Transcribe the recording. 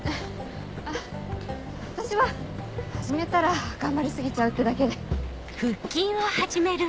私は始めたら頑張り過ぎちゃうってだけで。